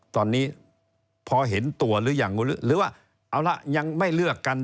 ตอนนี้พอเห็นตัวหรือยังหรือว่าเอาละยังไม่เลือกกัน